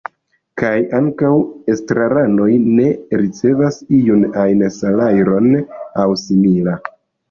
Kaj ankaŭ estraranoj ne ricevas iun ajn salajron aŭ simila.